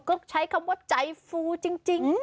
ก็ใช้คำว่าใจฟูจริง